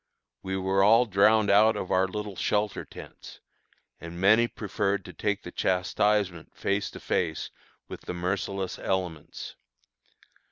We were all drowned out of our little shelter tents, and many preferred to take the chastisement face to face with the merciless elements.